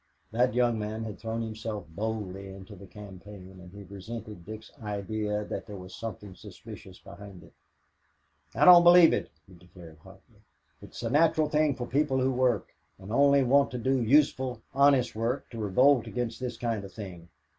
That young man had thrown himself boldly into the campaign and he resented Dick's idea that there was something suspicious behind it. "I don't believe it," he declared hotly. "It's the natural thing for people who work, and only want to do useful, honest work, to revolt against this kind of thing.